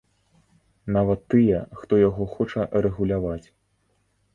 Нават тыя, хто яго хоча рэгуляваць.